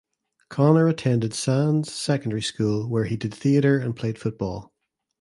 Connor attended Sands Secondary School where he did theatre and played football.